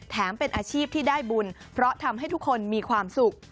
เป็นอาชีพที่ได้บุญเพราะทำให้ทุกคนมีความสุข